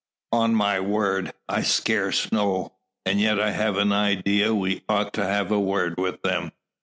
"On my word, I scarce know. And yet I have an idea we ought to have a word with them.